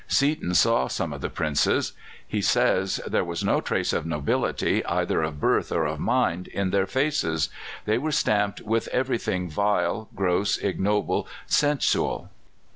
Seaton saw some of the Princes. He says: "There was no trace of nobility, either of birth or of mind, in their faces. They were stamped with everything vile, gross, ignoble, sensual.